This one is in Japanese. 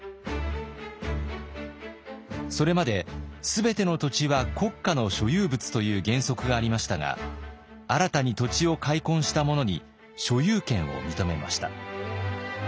それまで全ての土地は国家の所有物という原則がありましたが新たに土地を開墾した者に所有権を認めました。